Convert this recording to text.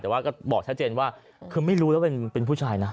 แต่ว่าก็บอกชัดเจนว่าคือไม่รู้แล้วเป็นผู้ชายนะ